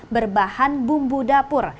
berbahan bumbu dapur